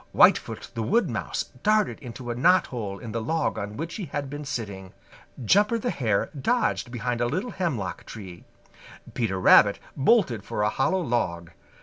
Whitefoot the Wood Mouse darted into a knothole in the log on which he had been sitting. Jumper the Hare dodged behind a little hemlock tree. Peter Rabbit bolted for a hollow log.